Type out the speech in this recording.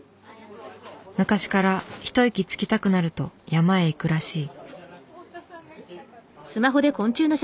昔から一息つきたくなると山へ行くらしい。